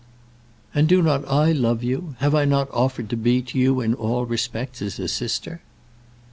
"And do I not love you? Have I not offered to be to you in all respects as a sister?"